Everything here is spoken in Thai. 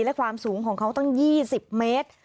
และความสูงของเขาตั้ง๒๐เมตร